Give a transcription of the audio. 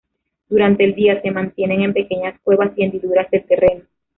Durante el día se mantienen en pequeñas cuevas y hendiduras del terreno.